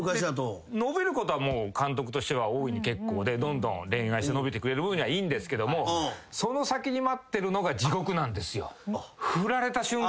伸びることはもう監督としては大いに結構で恋愛して伸びてくれる分にはいいんですけどもその先に待ってるのが地獄なんですよ。